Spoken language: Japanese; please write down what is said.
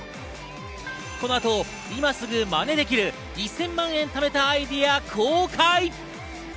この後、今すぐマネできる１０００万を貯めたアイデア公開。